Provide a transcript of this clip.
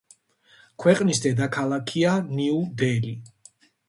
ქვეყნის დედაქალაქია ნიუ-დელი.